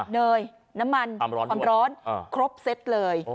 เนยน้ำมันความร้อนครบเซตเลย